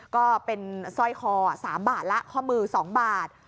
ก็เป็นสร้อยคอ๓บาทละข้อมือ๒บาท